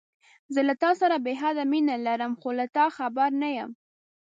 زه له تاسره بې حده مينه لرم، خو له تا خبر نه يم.